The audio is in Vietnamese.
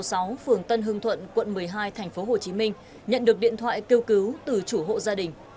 phường tân hương thuận quận một mươi hai tp hcm nhận được điện thoại kêu cứu từ chủ hộ gia đình